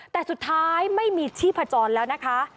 แต่สุดท้ายไม่มีชีพจรแล้วนะคะ